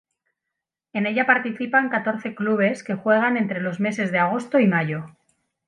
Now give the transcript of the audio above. En ella participan catorce clubes que juegan entre los meses de agosto y mayo.